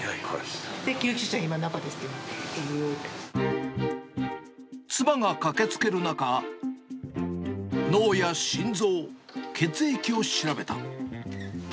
救急車の、今、妻が駆けつける中、脳や心臓、血液を調べた。